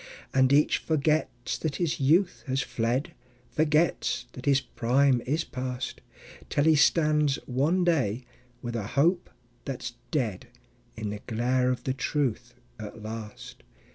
And each forgets that his youth has fled, Forgets that his prime is past, Till he stands one day, with a hope that's dead, In the glare of the truth at last.